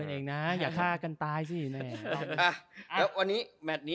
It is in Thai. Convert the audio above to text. เอาให้ตายจิแม่